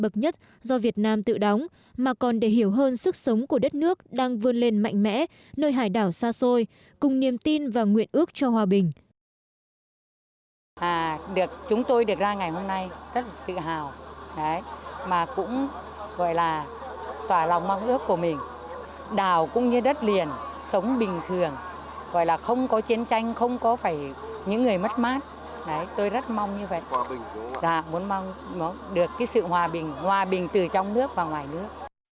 chúng tôi được ra ngày hôm nay rất tự hào mà cũng gọi là tỏa lòng mong ước của mình đảo cũng như đất liền sống bình thường gọi là không có chiến tranh không có phải những người mất mát tôi rất mong như vậy muốn mong được sự hòa bình hòa bình từ trong nước và ngoài nước